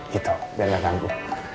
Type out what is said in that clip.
gitu biar gak ganggu